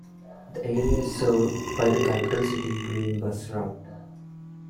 The area is served by the Capital City Green bus route.